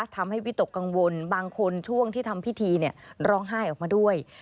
ทำให้วิตกกังวลบางคนช่วงที่ทำพิธีร้องไห้ออกมาด้วย